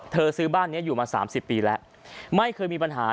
ซื้อบ้านนี้อยู่มา๓๐ปีแล้วไม่เคยมีปัญหา